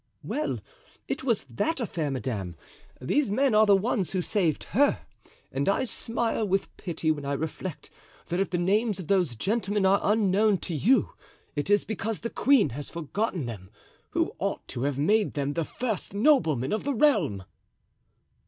"Well, it was that affair, madame; these men are the ones who saved her; and I smile with pity when I reflect that if the names of those gentlemen are unknown to you it is because the queen has forgotten them, who ought to have made them the first noblemen of the realm."